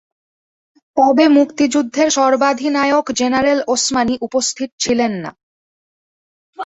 তবে মুক্তিযুদ্ধের সর্বাধিনায়ক জেনারেল ওসমানী উপস্থিত ছিলেন না।